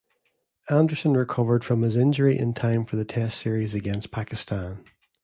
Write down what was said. Anderson recovered from his injury in time for the Test series against Pakistan.